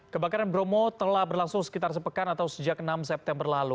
kebakaran bromo telah berlangsung sekitar sepekan atau sejak enam september lalu